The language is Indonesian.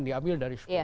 diambil dari sepuluh